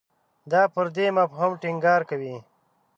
دا پر دې مفهوم ټینګار کوي.